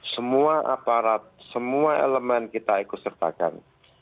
semua aparat semua elemen kita ikut sertakan